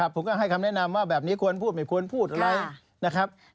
ผมก็ให้คำแนะนำว่าแบบนี้ควรพูดไม่ควรพูดอะไรนะครับ